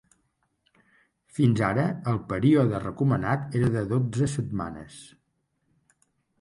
Fins ara el període recomanat era de dotze setmanes.